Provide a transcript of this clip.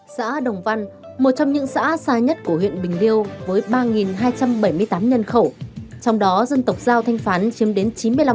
xã đồng văn một trong những xã xa nhất của huyện bình liêu với ba hai trăm bảy mươi tám nhân khẩu trong đó dân tộc giao thanh phán chiếm đến chín mươi năm